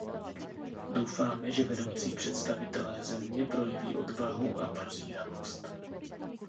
Doufáme, že vedoucí představitelé země projeví odvahu a prozíravost.